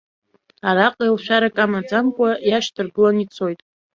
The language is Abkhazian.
Араҟа еилшәарак амаӡамкәа иашьҭаргыланы ицоит.